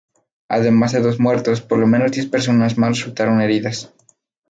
Además de los dos muertos, por lo menos diez personas más resultaron heridas.